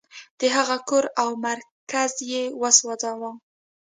د هغه کور او مرکز یې وسوځاوه.